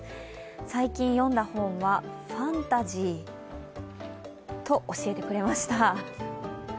最近読んだ本は「ファンタジー」と教えてくれました。